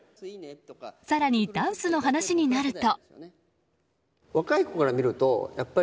更に、ダンスの話になると。